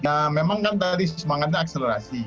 nah memang kan tadi semangatnya akselerasi